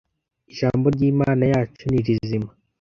Ijambo ry Imana yacu ni rizima